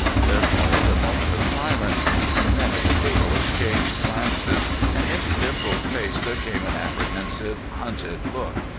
There followed a moment of silence; the men at the table exchanged glances, and into Dimples's face there came an apprehensive, hunted look.